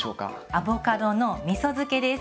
アボカドのみそ漬けです！